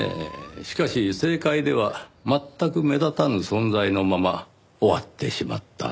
しかし政界では全く目立たぬ存在のまま終わってしまった。